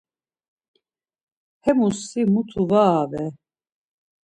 Hemus si mutu var aver.